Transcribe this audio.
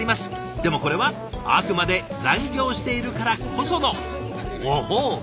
でもこれはあくまで残業しているからこそのご褒美。